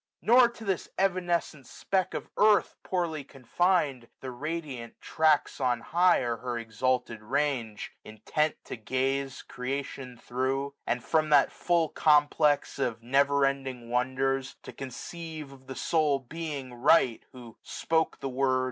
1780 Nor to this evanescent speck of earth Poorly confin'd, the radiant tracts on high Are her exalted range ; intent to gaze Creation thro' : and, from that full complex Of never ending wonders, to conceive 1785 Of the Sole Bbing rights who spoke the word.